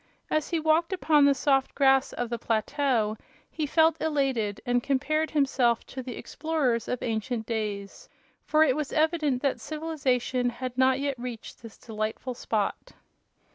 As he walked upon the soft grass of the plateau he felt elated, and compared himself to the explorers of ancient days; for it was evident that civilization had not yet reached this delightful spot.